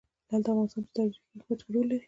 لعل د افغانستان په ستراتیژیک اهمیت کې رول لري.